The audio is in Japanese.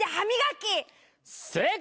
正解！